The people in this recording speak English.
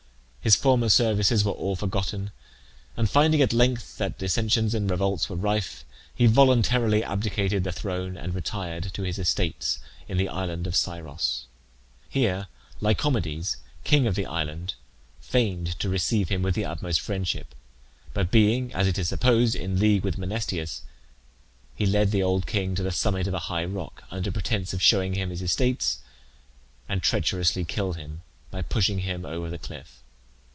His former services were all forgotten, and, finding at length that dissensions and revolts were rife, he voluntarily abdicated the throne, and retired to his estates in the island of Scyros. Here Lycomedes, king of the island, feigned to receive him with the utmost friendship; but being, as it is supposed, in league with Menesthius, he led the old king to the summit of a high rock, under pretence of showing him his estates, and treacherously killed him by pushing him over the cliff.